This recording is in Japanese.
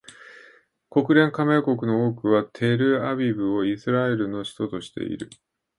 国連加盟国の多くはテルアビブをイスラエルの首都としている